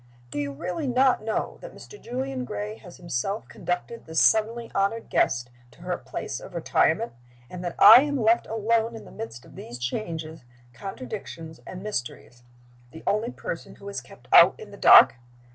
Do you really not know that Mr. Julian Gray has himself conducted this suddenly honored guest to her place of retirement? and that I am left alone in the midst of these changes, contradictions, and mysteries the only person who is kept out in the dark?"